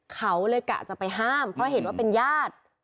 เขาเลยกะจะไปห้ามเพราะเห็นว่าเป็นญาติ